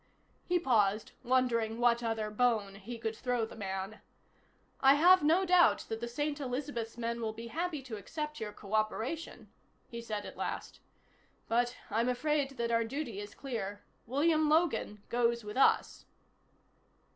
He paused, wondering what other bone he could throw the man. "I have no doubt that the St. Elizabeth's men will be happy to accept your cooperation," he said at last. "But, I'm afraid that our duty is clear. William Logan goes with us."